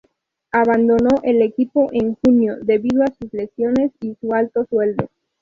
Abandonó el equipo en junio debido a sus lesiones y su alto sueldo.